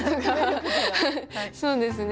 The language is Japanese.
そうですね。